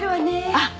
あっ。